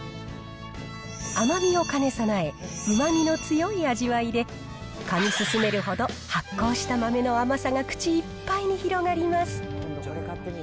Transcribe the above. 甘みを兼ね備え、うまみの強い味わいで、かみ進めるほど、発酵した豆の甘さが口いっぱいに広がります。